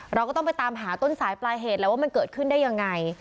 เราก็ต้องไปตามหาต้นสายปลายเหตุแล้วว่ามันเกิดขึ้นได้ยังไง